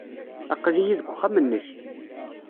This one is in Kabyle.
Aql-iyi deg uxxam-nnek.